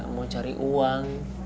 mau cari uang